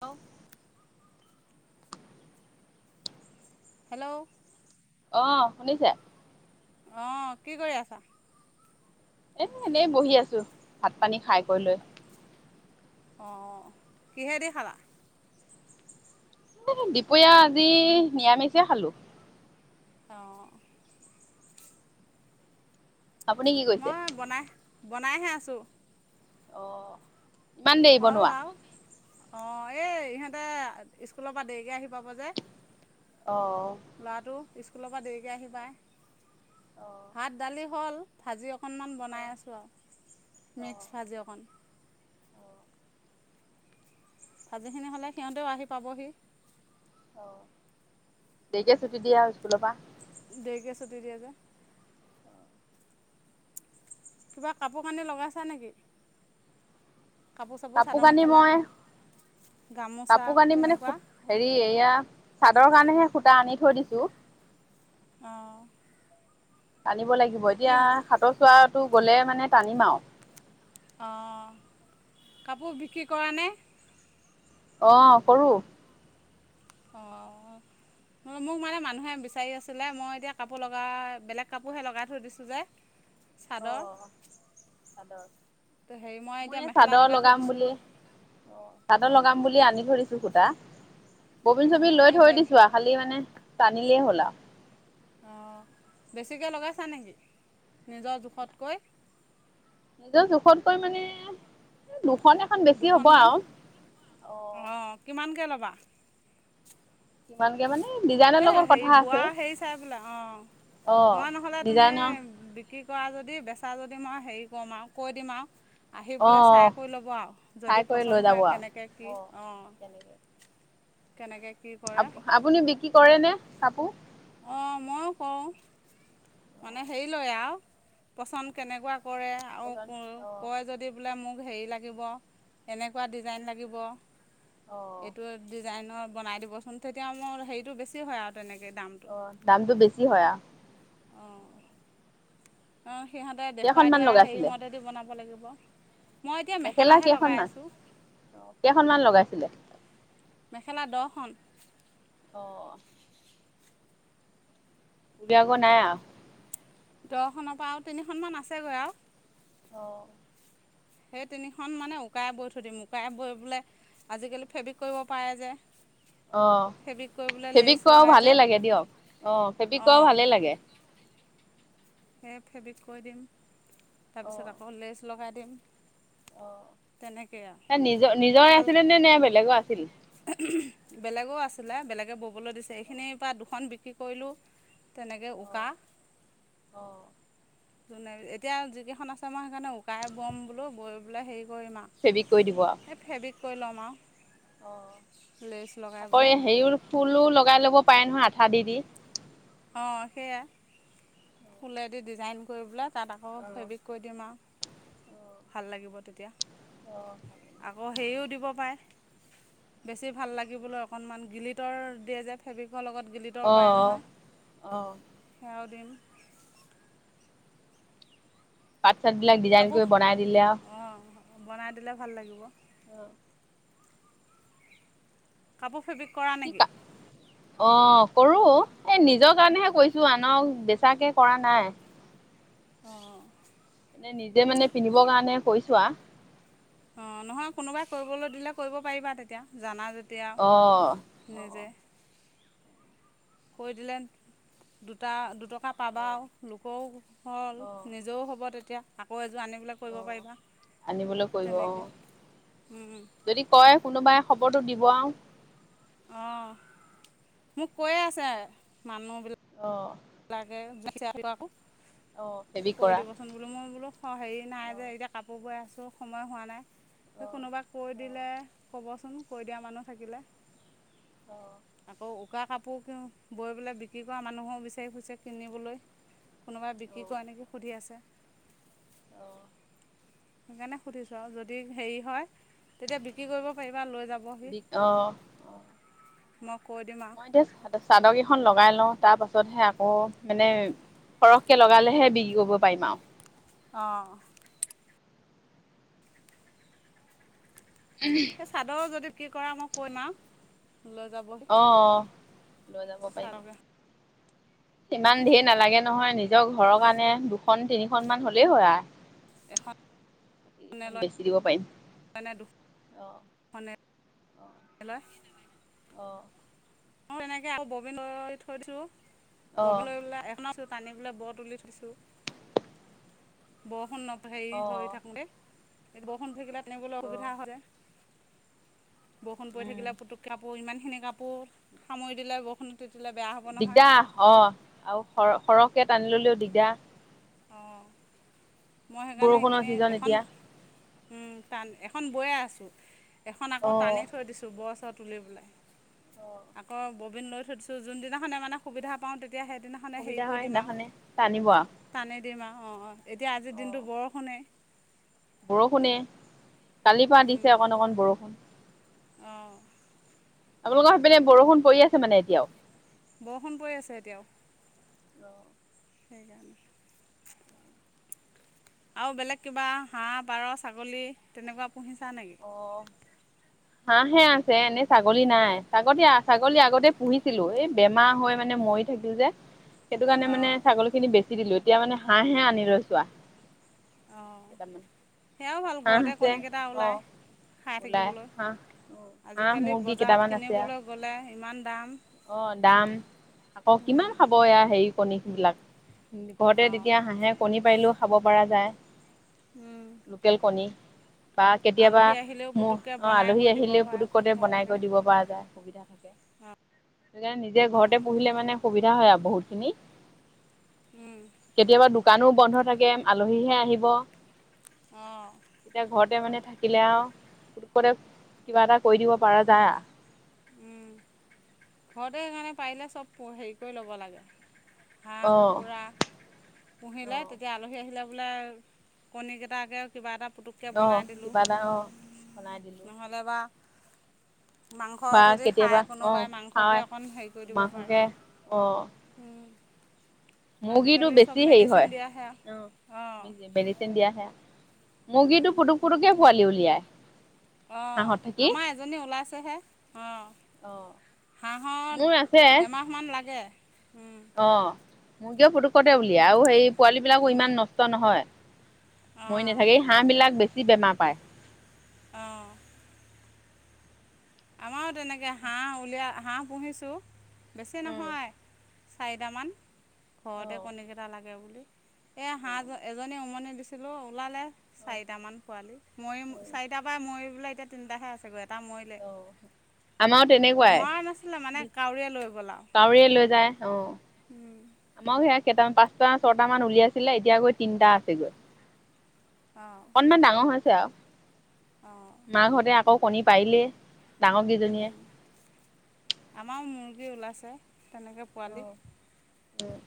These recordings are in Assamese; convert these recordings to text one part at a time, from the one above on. ল্ল' হেল্ল'। অ', শুনিছে? অ', কি কৰি আছা? এনে এনেই বহি আছোঁ ভাত পানী খাই কৰি লৈ। অ', কিহেদি খালা? এ দুপৰীয়া আজি নিৰামিষে খালোঁ। অ'। আপুনি কি কৰিছে মই বনাই বনাইহে আছোঁ। অ'। ইমান দেৰি হ'ল বনোৱা আৰু অ', এই ইহঁতে স্কুলৰ পৰা দেৰিকে আহি পাব যে। অ'। ল'ৰাটো স্কুলৰ পৰা দেৰিকে আহি পায়, অ অ ভাত দালি হ'ল। ভাজি অকণমান বনাই আছোঁ অ আৰু অ মিক্স ভাজি অকণ। ভাজিখিনি হ'লে সিহঁতেও আহি পাবহি। অ', দেৰিকে ছুটি দিয়ে আৰু স্কুলৰ পৰা। দেৰিকে ছুটি দিয়ে যে। কিবা কাপোৰ কানি লগাইছা নেকি? কাপোৰ চাপোৰ চাদৰ কানি মেখেলা মই গামোচা কাপোৰ কানি মানে তেনেকুৱা। হেৰি এয়া চাদৰ কাৰণেহে সূতা আনি থৈ দিছো। অ'। টানিব লাগিব এতিয়া সাতৰ চোৱাটো গ'লে মানে টানিম আৰু। অ', কাপোৰ বিক্ৰী কৰা নে? অ', কৰোঁ। অ'। মোক মানে মানুহে বিচাৰি আছিলে মই এতিয়া কাপোৰ লগা বেলেগ কাপোৰহে লগাই থৈ দিছোঁ যে। অ চাদৰ। চাদৰ, ত' হেৰি এতিয়া মই এউ মেখেলা চাদৰ লগাই থৈ লগাম দিছোঁ বুলি অ চাদৰ অঁ লগাম বুলি আনি থৈ দিছ সূতা কবিন অঁ চবিন লৈ সেই বে থৈ দিছো আৰু খালি মানে টানিলেই হ'ল আৰু। অ', বেছিকে লগাইছা নেকি নিজৰ জোখতকৈ? নিজৰ জোখতকৈ মানে জোখ দুখনমান অ', কিমানকে ল'বা? কিমানকে মানে ডিজাইনৰ এ লগত হেৰি কথা বোৱা আছে হেৰি চাই বোলে অ'। মই নহ'লে তুমি ডিজাইনৰ বিক্ৰী কৰা যদি বেচা যদি মই হেৰি কৰম আৰু কৈ দিম আৰু। আহি অ পেলাই চাই কৰি ল'ব আৰু চাই যদি কৰি লৈ পচন্দ যাব নহয় আৰু কেনেকে কি অ'। কেনেকে কি কৰে আপ আপুনি বিক্ৰী কৰে নে কাপোৰ? অঁ মইয়ো কৰো। মানে হেৰি লয় আৰু পচন্দ কেনেকুৱা কৰে আৰু অ কয় যদি বোলে মোক হেৰি লাগিব এনেকুৱা ডিজাইন লাগিব। অ এইটো ডিজাইনৰ বনাই দিবচোন তেতিয়া মোৰ হেৰিটো বেছি হয় আৰু তেনেকে দামটো। অ দামটো বেছি হয় আৰু? অঁ। অঁ সিহঁতে দেখুৱাই কেইখনমান দিয়া হেৰি লগাইছিলে মতেদি বনাব লাগিব। মই এতিয়া মেখেলা মেখেলাহে লগাই কেইখনমান আছো। কেইখনমান লগাইছিলে? মেখেলা দহখন। অ দিয়া গৈ নাই আৰু দহখনৰ পৰা আৰু তিনিখনমান আছেগৈ আৰু। অঁ। সেই তিনিখন মানে উকাই বৈ থৈ দিম উকাই বৈ বোলে আজিকালি ফেব্ৰিক কৰিব পাৰে যে। অ ফেব্ৰিক কৰি পেলাই ফেব্ৰিক লেজ কৰাও লগাই ভালে যে লাগে দিয়ক অ ফেব্ৰিক কৰাও অঁ। ভালে লাগে সে ফেব্ৰিক কৰি দিম অ তাৰপিছত আকৌ লেজ লগাই দিম। অ, তেনেকেই আৰু এ নিজৰ নিজৰে আছিলে নে বেলেগৰ আছিল? বেলেগো আছিলে বেলেগে ব'বলৈ দিছে, এইখিনিৰ পৰা দুখন বিক্ৰী কৰিলো। তেনেকৈ অ উকা। [inaudible] যোনে এতিয়া যিকেইখন আছে মই সেইকাৰণে উকাই বম বোলো বৈ বোলে হেৰি কৰিম আৰু। ফেব্ৰিক কৰি দিব আৰু। এই ফেব্ৰিক কৰি ল'ম আৰু। অ লেচ লগাই আকৌ পেলাই হেৰিও ফুলো লগাই লব পাৰে নহয় আঠা দি দি। অঁ সেয়াই ফুলেদি ডিজাইন কৰিবলৈ তাত আকৌ অ ফেব্ৰিক কৰি দিম আৰু। ভাল লাগিব তেতিয়া, আকৌ সেও দিব পাৰে বেছি ভাল লাগিবলৈ অকণমান গিলিটৰ দিয়ে যে ফেব্ৰিকৰ লগত গিলি অ টৰ অ পায় নহয় অ অ সেয়াও দিম। পাট চাত বিলাক ডিজাইন কাপোৰ কৰি বনাই দিলে আৰু অঁ বনাই দিলে ভাল লাগিব। অঁ। কাপোৰ ফেব্ৰিক কৰা কি নেকি? অ কৰো, এ নিজৰ কাৰণেহে কৈছো আনক বেচাকে কৰা নাই। অঁ। মানে নিজে মানে পিন্ধিব কাৰণে কৈছো আও। অঁ নহয় কোনোবাই কৰিবলৈ দিলে কৰিব পাৰিবা তেতিয়া জানা অ যেতিয়া অ নিজে। কৰি দিলে দুটা দুটকা পাবা আৰু লোকৰো হ'ল অ অ নিজৰো হ'ব তেতিয়া আকৌ এযোৰ আনিবলে কৰিব অ পাৰিবা আনিবলৈ কৰিব অ তেনেকে উম। যদি কয় কোনোবাই খবৰটো দিব আৰু। অ', মোক কৈয়ে আছে মানুহবি অ' লাগে [unintelligible] অ', ফেবিক কৰা। চোন বোলোঁ মই বোলোঁ হেৰি নাই অ যে, এতিয়া কাপোৰ বৈ আছোঁ সময় হোৱা নাই। অ কোনোবা কৈ অ দিলে, ক'বচোন কৈ দিয়া মানুহ থাকিলে। আকৌ উকা কাপোৰ বৈ পেলাই বিক্ৰী কৰা মানুহো বিচ- চাৰি ফুৰিছে কিনিবলৈ কোনোবাই অ অ বিক্ৰী কৰে নেকি সুধি আছে। অ' সেইকাৰণে সুধিছোঁ আৰু যদি হেৰি হয়, তেতিয়া বিক্ৰী কৰিব পাৰিবা লৈ যা বি, অ' অ মই কৈ দিম মই আৰু এতিয়া চাদৰ কেইখন লগাই লওঁ তাৰ পাছতহে আকৌ মানে সৰহকে লগালেহে বিক্ৰী কৰিব পাৰিম আৰু। অ'। [inaudible] এই চাদৰ যদি কি কৰা মই [unintelligible] লৈ যাব। অ', অ', লৈ যাব চাদৰকেইখন পাৰিব। ইমান ধেৰ নালাগে নহয়। নিজৰ ঘৰৰ কাৰণে দুখন, তিনিখন মান হ'লেই হয়, আ এখন [unintelligible] লৈ পাৰিম দুখন অ [inaudible] অ'। মই এনেকে আৰু ববিন লৈ থৈ দিছোঁ অ অ ববিন লৈ [inaudible] এখন টানি পেলাই ব তুলি থৈছোঁ। বৰষুণ হেৰি হৈ অ থাকোতেই বৰষুণ দি থাকিলে তেনেকলৈ অ অ অসুবিধা হয় যে, বৰষুণ পৰি উম থাকিলে পুতুককে কাপোৰ ইমানখিনি কাপোৰ সামৰি দিলে বৰষুণত তিতিলে বেয়া হ'ব নহয়। দিগদাৰ অ', আৰু সৰ-সৰহকে টানি ল'লেও দিগদাৰ। অ', মই সেইকাৰণে বৰষুণৰ সেইখিনি ছিজন এখন এতিয়া উম, টান এখন বৈয়ে আছোঁ এখন আকৌ অ টানি থৈ দিছোঁ ব' চ' তুলি পেলাই অ আকৌ ববিন লৈ থৈ দিছোঁ। যোনদিনাখনে মানে সুবিধা পাওঁ তেতিয়া সেইদিনা সুবিধা হয়, সেইদিনাখানে টানিব আৰু টানি দিম আৰু অ', অ', এতিয়া আজিৰ অ দিনটো বৰষুণে। বৰষুণে, কালিৰ পৰা দিছে অকণ, অকন বৰষুণ। অ'। আপোনালোকৰ সেইপিনে বৰষুণ পৰি আছে মানে এতিয়াও? বৰষুণ পৰি আছে এতিয়াও। সেইকাৰণে। আৰু বেলেগ কিবা হাঁহ, পাৰ, ছাগলী তেনেকুৱা পুহিছা নেকি? হাঁহ হে আছে এনে ছাগলী নাই ছাগলী, ছাগলী আগতে পুহিছিলোঁ। এই বেমাৰ হৈ মানে মৰি থাকিল যে [unintelligible] সেইটো কাৰণে মানে অঁ ছাগলীখিনি বেচি দিলোঁ এতিয়া মানে হাঁহে আনি লৈচো আ অ', কেইটামান সেয়াও ভাল হাঁহ ঘৰতে আছে কণীকেইটা অ ওলায়, খাই ওলাই থাকিবলৈ। হাঁহ হাঁহ আজিকালি মুৰ্গী বজাৰত কেইটামান আছে আৰু কিনিবলৈ গ'লে ইমান দাম। অ', দাম, আকৌ কিমান খাব এয়া হেৰি, কণীবিলাক। ঘৰতে তেতিয়া হাঁহে কণী পাৰিলেও খাব পৰা যায়। উম'। লোকেল কণী। বা কেতিয়াবা আহিলেও মো- পুটুককৈ অ', বনাই আলহী কৰি দিব আহিলেও পাৰে পুতুককণে সুবিধা বনাই কৰি দিব পৰা যায়, সুবিধা থাকে। অ' সেইকাৰণে নিজে ঘৰতে পুহিলে মানে সুবিধা হয় আৰু বহুত খিনি। উম'। কেতিয়াবা দোকানো বন্ধ থাকে, আলহীহে আহিব। অ'। এতিয়া ঘৰতে মানে থাকিলে আও, পুতুকতে কিবা এটা কৰি দিব পাৰা যায়। উম', ঘৰতে সেইকাৰণে পাৰিলে চ'ব পো- হেৰি, কৰি ল'ব লাগে। হাঁহ, অ' কুকুৰা পুঁহিলে অ' তেতিয়া আলহী আহিলে বোলে কণী কেইটাকে কিবা এটা পুতুক অ', কিবা এটা অ', বনাই দিলোঁ। নাইবা মাং স বা যদি খায় কেতিয়াবা অ' কোনোবাই, মাংসকে হয় অকণ হেৰি, কৰি দিব পাৰে। মাককে অ'। উম'। মুৰ্গীটো বেছি হেৰি হয়, দিয়াহে অঁ অ', [inaudible] মেডিচিন দিয়া [unintelligible] মুৰ্গীটো পুটুক পুটুককে পোৱালি উলিয়াই। হাঁহত অ', থাকি। আমাৰ এজনী ওলাইছেহে, অ'। অ হাঁহত মোৰ আছে এমাহমান লাগে, উম'। অ', মুৰ্গীয়ে পুটুকতে উলিয়াই আৰু হেই পোৱালী বিলাকো ইমান নষ্ট নহয়। মৰি অঁ নাথাকেই, হাঁহবিলাক বেছি বেমাৰ পায়। অ'। আমাৰো তেনেকে হাঁহ উলিয়াই হাঁহ পুহিছোঁ বেছি উম নহয়। চাৰিটামান অ ঘৰতে কণীকেইটা লাগে বুলি। এই অ হাঁহ জ- এজনী উমনি দিছো ছিলোঁ ওলালে অ চাৰিটামান পোৱালি, মৰি অ চাৰিটাৰ পৰা মৰি পেলাই এতিয়া তিনটাহে আছে গৈ এটা মৰিলে। অ আমাৰো তেনেকুৱাই মৰা নাছিলে মানে কাউৰীয়ে লৈ গ'ল আৰু কাউৰীয়ে লৈ যায়, অ'। আমাৰো সেয়া কেইটামান পাঁচটা ছয়টা মান উলিয়াইছিলে, এতিয়া গৈ তিনটা আছে গৈ। অ'। অকনমান ডাঙৰ হৈছে আওঁ। অ'। মাকহঁতে আকৌ কণী পাৰিলেই। ডাঙৰ কেইজনীয়ে উম, আমাৰো মুৰ্গী ওলাইছে, তেনেকে পোৱালি। অ'।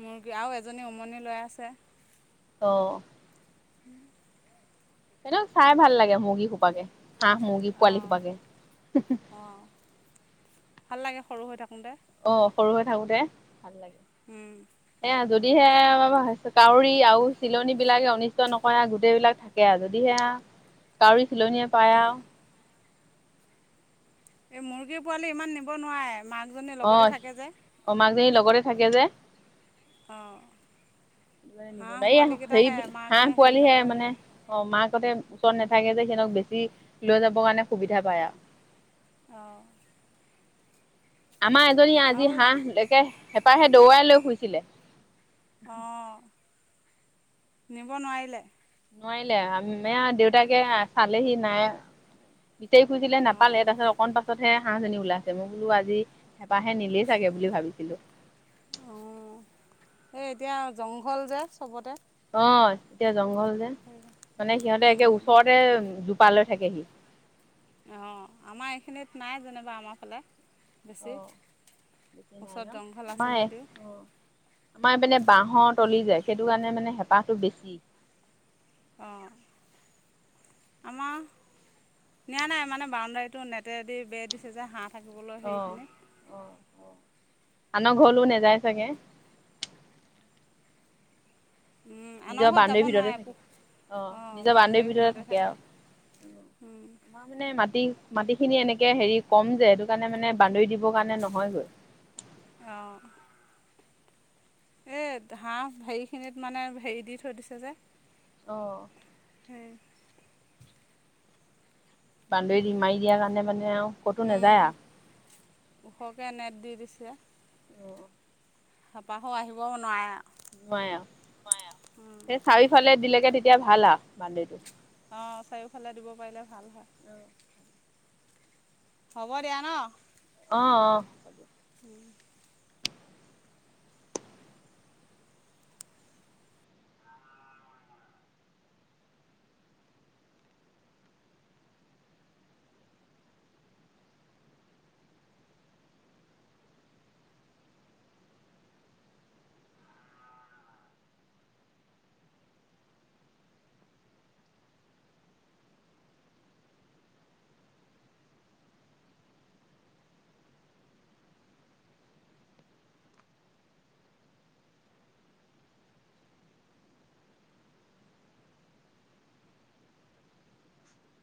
মুৰ্গী আৰু এজনী উমনি লৈ আছে। অ'। সিহঁতক চাই ভাল লাগে মুৰ্গী সোপাকে। হাঁহ মুৰ্গী পোৱালি অ' সোপাকে অ' ভাল লাগে সৰু হৈ থাকোঁতে। অ' সৰু হৈ থাকোতে ভাল লাগে। উম। এয়া যদিহে আ বা কাউৰী আৰু চিলনী বিলাকে অনিষ্ট নকৰে গোটেই বিলাক। থাকেআ যদিহেআ [unintelligible] কাউৰী চিলনীয়ে পায় অঁ আৰু এই মুৰ্গীৰ পোৱালি ইমান নিব নোৱাৰে মাকজনী লগতে থাকে যে। অঁ মাকজনী লগতে থাকে যে। অঁ নিব হাঁহ ন এইয়া পোৱালিকেইটাহে হেৰি মাকে হাঁহ হেৰি পোৱালিহে নকৰে মানে অঁ মাকহঁতে ওচৰত নাথাকে যে সিহঁতক বেছি লৈ যাবৰ কাৰণে সুবিধা পায় আৰু অঁ আমাৰ এজনী আজি আৰু হাঁহ হেঁপাহে দৌৰাই লৈ ফুৰিছিলে। অঁ, নিব নোৱাৰিলে। নোৱাৰিলে, আ মে দেউতাকে চালেহি নাই। বিচাৰি ফুৰিছিলে অঁ নাপালে তাপাছত অকণ পাছ পাছতহে হাঁহজনী ওলাইছে মই বোলো আজি হেঁপাহে নিলেই চাগে বুলি ভাবিছিলোঁ। অঁ এই এতিয়া জংঘল যে চবতে। অ এতিয়া জংঘল যে মানে সিহঁতে একে ওচৰতে জোপা লৈ থাকে সি। অঁ আমাৰ এইখিনিত নাই যেনিবা আমাৰ ফালে। অ বেছি এতিয়া নাই ওচৰত ন, জংঘল আছে আমাৰ যদিও অ আমাৰ এইপিনে বাঁহৰ তলি যে, সেইটো কাৰণে মানে হেঁপাহটো বেছি। অঁ আমাৰ নিয়া নাই মানে বাউণ্ডাৰীটো নেটেদি বে দিছে যে হা থাকিবলৈ অ সেইখিনিত। অ অ আনৰ ঘৰলো নেযায় চাগে? নিজৰ আনৰ ঘৰত যাব বাউণ্ডেৰীৰ ভিতৰতে নোৱাৰে থাকে অ পোহ অঁ নিজৰ বাউণ্ডেৰীৰ বাউণ্ডৰীৰ ভিতৰতে আৰু থাকে। উম আমাৰ মানে মাটি মাটি খিনি এনেকে হেৰি কম যে সেইটো কাৰণে মানে বান্দৰি দিবৰ কাৰণে নহয়গৈ। অঁ এই হাঁহ হেৰিখিনিত মানে হেৰি দি থৈ দিছে যে। অ উম বাউন্ডৰি দি মাৰি দিয়া কাৰণে মানে আৰু ক'তো নাযায় উম ওখকে নেট দি দিছে। অ হেঁপাহো আহিব নোৱাৰে। নোৱাৰে আৰু আৰু সেই চাৰিওফালে দিলেগে, তেতিয়া ভাল আৰু বাউন্ডৰিটো অঁ চাৰিওফালে দিব পাৰিলে ভাল হয়। অ হ'ব দিয়া ন। অঁ অঁ। উম